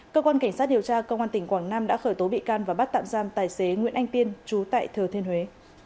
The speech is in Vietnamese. cơ quan cảnh sát điều tra công an tỉnh quảng nam đã khởi tố bị can và bắt tạm giam tài xế nguyễn anh tiên chú tại thừa thiên huế